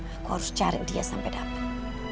aku harus cari dia sampai datang